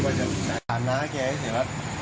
โบราณไทยก็ไม่ได้คิดว่าจะถามน้าแกให้เสียแล้ว